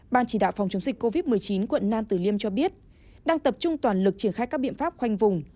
ban chỉ đạo phòng chống dịch covid một mươi chín quận nam tử liêm cho biết đang tập trung toàn lực triển khai các biện pháp khoanh vùng